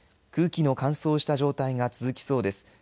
空気の乾燥した状態が続きそうです。